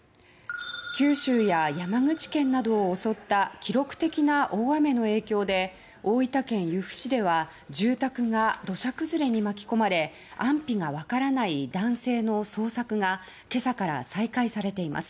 九州や山口県などを襲った記録的な大雨の影響で大分県由布市では住宅が土砂崩れに巻き込まれ安否が分からない男性の捜索が今朝から再開されています。